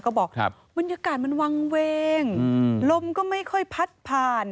ก็บอกบรรยากาศมันวางเวงลมก็ไม่ค่อยพัดผ่าน